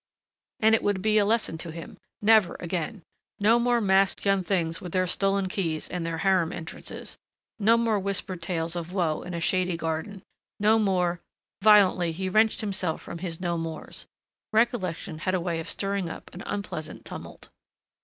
And it would be a lesson to him. Never again. No more masked young things with their stolen keys and their harem entrances. No more whispered tales of woe in a shady garden. No more Violently he wrenched himself from his No Mores. Recollection had a way of stirring an unpleasant tumult.